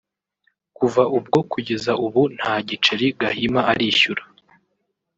Kuva ubwo kugeza ubu nta nigiceri Gahima arishyura